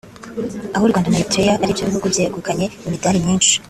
aho u Rwanda na Eritrea ari byo bihugu byegukanye imidari myinshi